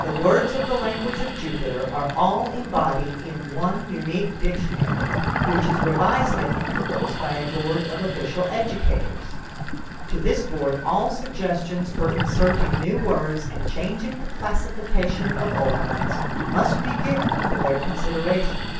The words of the language of Jupiter are all embodied in one unique dictionary which is revised at intervals by a board of official educators; to this board all suggestions for inserting new words and changing the classification of old ones must be given for their consideration.